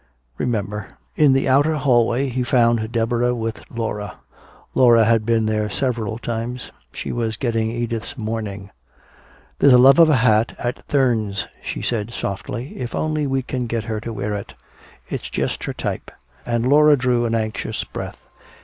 Remember." In the outer hallway he found Deborah with Laura. Laura had been here several times. She was getting Edith's mourning. "There's a love of a hat at Thurn's," she was saying softly, "if only we can get her to wear it. It's just her type." And Laura drew an anxious breath.